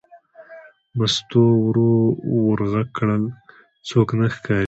مستو ورو ور غږ کړل: څوک نه ښکاري.